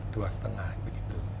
dua lima juta begitu